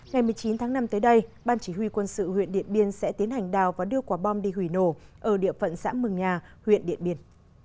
ngày một mươi chín tháng năm tới đây ban chỉ huy quân sự huyện điện biên sẽ tiến hành đào và đưa quả bom đi hủy nổ ở địa phận xã mừng nhà huyện điện biên